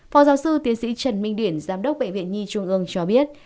phó giáo sư tiến sĩ trần minh điển giám đốc bệnh viện nhi trung ương cho biết